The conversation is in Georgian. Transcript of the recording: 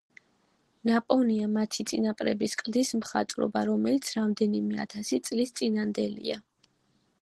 ნაპოვნია მათი წინაპრების კლდის მხატვრობა, რომელიც რამდენიმე ათასი წლის წინანდელია.